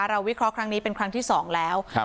เราวิเคราะห์ครั้งนี้เป็นครั้งที่สองแล้วครับ